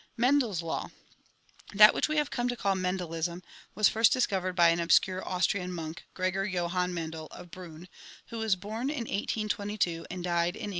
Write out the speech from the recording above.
Mendel's Law. — That which we have come to call Mendelism was first discovered by an obscure Austrian monk, Gregor Johann Mendel, of Briinn, who was born in 1822 and died in 1884.